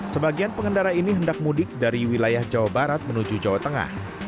sebagian pengendara ini hendak mudik dari wilayah jawa barat menuju jawa tengah